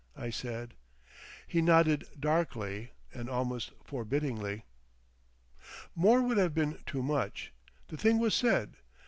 I said. He nodded darkly and almost forbiddingly. More would have been too much. The thing was said.